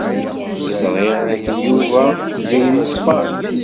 Ẓriɣ dakken Yuba ed Tiziri ṣfan.